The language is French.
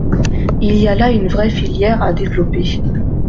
Il y a là une vraie filière à développer.